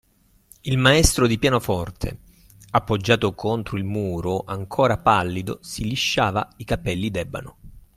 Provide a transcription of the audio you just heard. Il maestro di pianoforte, appoggiato contro il muro, ancora pallido, si lisciava i capelli d'ebano.